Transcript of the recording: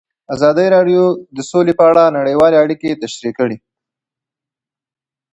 ازادي راډیو د سوله په اړه نړیوالې اړیکې تشریح کړي.